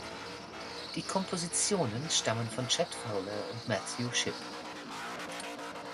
Die Kompositionen stammen von Chad Fowler und Matthew Shipp.